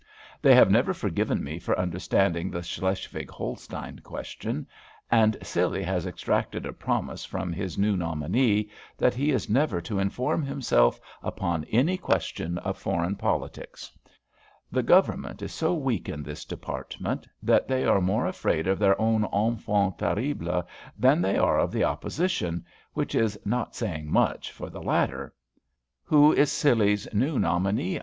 They have never forgiven me for understanding the Schleswig Holstein question; and Scilly has extracted a promise from his new nominee that he is never to inform himself upon any question of foreign politics. The Government is so weak in this department that they are more afraid of their own enfants terribles than they are of the Opposition, which is not saying much for the latter." "Who is Scilly's new nominee?"